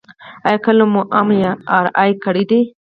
ایا کله مو ام آر آی کړې ده؟